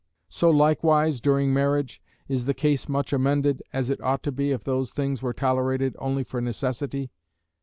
So likewise during marriage, is the case much amended, as it ought to be if those things were tolerated only for necessity?